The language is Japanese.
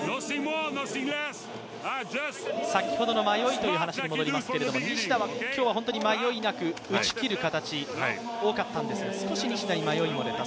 先ほどの迷いという話に戻りますけれども西田は今日は本当に迷いなく打ち切る形が多かったんですが少し西田に迷いも出た。